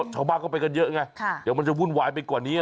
ชาวบ้านก็ไปกันเยอะไงเดี๋ยวมันจะวุ่นวายไปกว่านี้